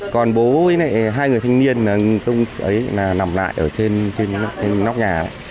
còn bố với hai người thanh niên ấy nằm lại ở trên nóc nhà